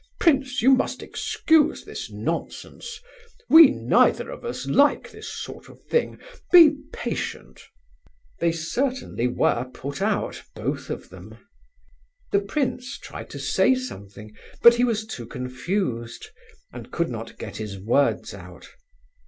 Prince, you must excuse this nonsense. We neither of us like this sort of thing! Be patient!" They certainly were put out, both of them. The prince tried to say something, but he was too confused, and could not get his words out.